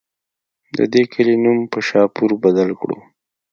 د دې کلي نوم پۀ شاهپور بدل کړو